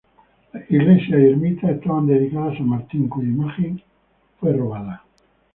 Iglesia y ermita estaban dedicadas a San Martín, cuya imagen fue robada.